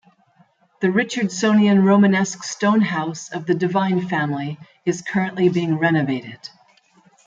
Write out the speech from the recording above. The Richardsonian Romanesque stone house of the Devine family is currently being renovated.